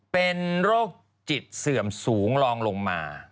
เป็นโรคจิตเสื่อมสูงลองลงมา